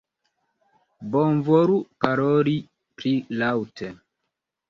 Bonvolu paroli pli laŭte!